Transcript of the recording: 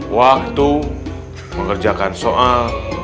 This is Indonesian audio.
waktu mengerjakan soal